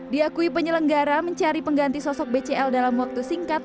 diakui penyelenggara mencari pengganti sosok bcl dalam waktu singkat